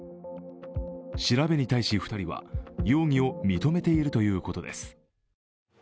調べに対し、２人は容疑を認めているということです。